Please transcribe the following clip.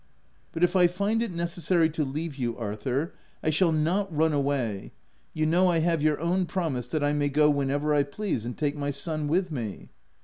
" But if I find it necessary to leave you, Arthur, I shall not c run away :' you know 1 have your own promise that I may go whenever I please, and take my son with me."